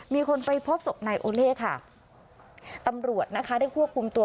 มีคนไปพบศพนายโอเล่ค่ะตำรวจนะคะได้ควบคุมตัว